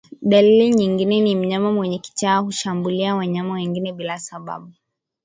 Dalili nyingine ni mnyama mwenye kichaa hushambulia wanyama wengine bila sababu